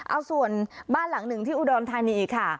เอาส่วนบ้านหลังหนึ่งที่อุดรธานีค่ะ